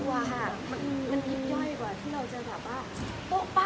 หลับกลัวค่ะมันก็ติดย้อยกว่าที่เราเจอตาเป๊ะ